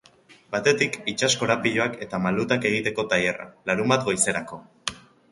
Batetik, itsas korapiloak eta malutak egiteko tailerra, larunbat goizerako.